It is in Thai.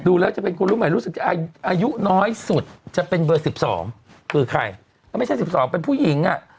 ดูแล้วจะเป็นคนรู้ใหม่รู้สึกจะอายุน้อยสุดจะเป็นเบอร์๑๒คือใครไม่ใช่๑๒เป็นผู้หญิงอ่ะ